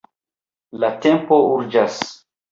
La tempo urĝas.